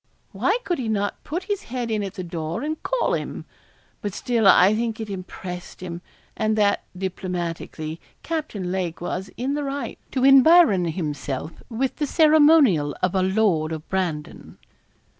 Why could he not put his head in at the door and call him? But still I think it impressed him, and that, diplomatically, Captain Lake was in the right to environ himself with the ceremonial of a lord of Brandon.